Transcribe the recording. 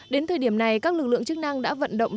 đến thời điểm này các lực lượng chức năng đã vận động